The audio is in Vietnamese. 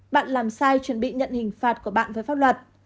bạn làm sai chuẩn bị nhận hình phạt của bạn với pháp luật